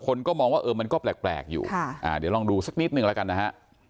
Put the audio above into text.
คนก็มองว่าเออมันก็แปลกอยู่เดี๋ยวลองดูสักนิดนึงแล้วกันนะฮะ